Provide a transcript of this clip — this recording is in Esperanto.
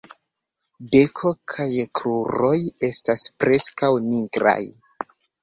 Beko kaj kruroj estas preskaŭ nigraj.